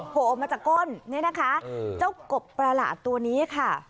โผล่ออกมาจากก้นนี่นะคะเจ้ากบประหลาดตัวนี้ค่ะ